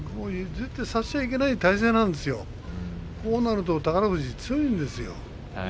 絶対にさせてはいけない体勢なんですよ、こうなると宝富士は強いんですよ。